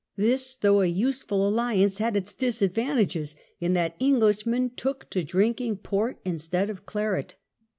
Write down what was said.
This, though a useful alliance, had its disadvantage, in that Englishmen took to drinking port instead of claret.